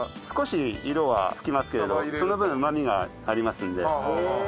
少し色はつきますけれどその分うまみがありますので。